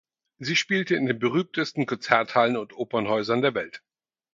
Sie spielte in den berühmtesten Konzerthallen und Opernhäusern der Welt.